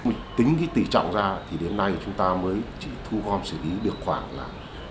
mình tính cái tỉ trọng ra thì đến nay chúng ta mới chỉ thu gom xử lý được khoảng là